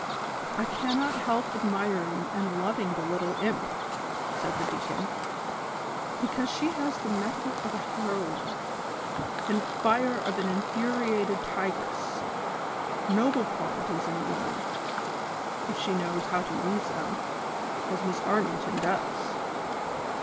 " I cannot help admiring and loving the little imp," said the deacon ;" because she has the mettle of a heroine, and fire of an infuriated tigress ; noble qualities in a woman, if she knows how to use tlvm, as Miss Armington does." THE CONSPIRATORS AND LOVERS.